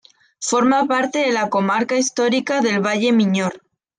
Forma parte de la comarca histórica del Valle Miñor.